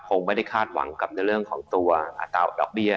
คงไม่ได้คาดหวังกับในเรื่องของตัวอัตราดอกเบี้ย